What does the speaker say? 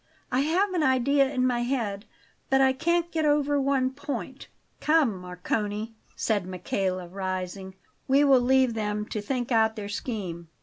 I have an idea in my head, but I can't get over one point." "Come, Marcone," said Michele, rising; "we will leave them to think out their scheme.